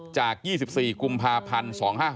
จาก๒๔กุมภาพันธ์๒๕๖